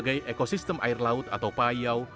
grafic zat saya begitu